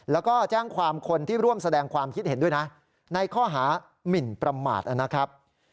แล้วก็แจ้งความคนที่ร่วมแสดงความคิดเห็นด้วยนะในข้อหามินประมาทนะครับ